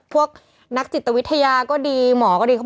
พวกนักจิตวิทยาก็ดีหมอก็ดี